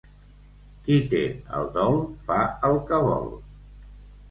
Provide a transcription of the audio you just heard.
Qui té el dol fa el que vol.